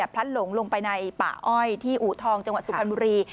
พลัดหลงลงไปในป่าอ้อยที่อูทองจังหวัดสุพรรณบุรี